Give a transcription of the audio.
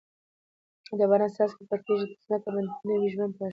د باران څاڅکي پر تږې ځمکه باندې نوي ژوند پاشي.